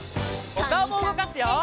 おかおもうごかすよ！